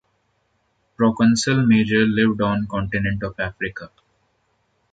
"Proconsul major" lived on the continent of Africa.